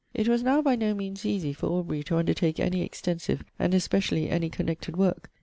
It was now by no means easy for Aubrey to undertake any extensive, and especially any connected work.